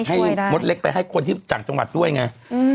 มดเล็กไปให้คนที่จากจังหวัดด้วยไง